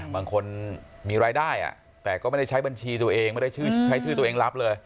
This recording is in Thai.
บางคนมีรายได้แต่ก็ไม่ได้ใช้บัญชีตัวเองไม่ได้ชื่อใช้ชื่อตัวเองรับเลย